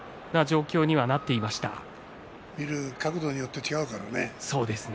見る角度によって違うからね。